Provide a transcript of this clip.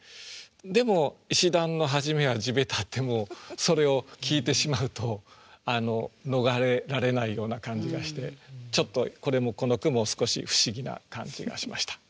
でも「石段のはじめは地べた」ってもうそれを聞いてしまうと逃れられないような感じがしてちょっとこれもこの句も少し不思議な感じがしました。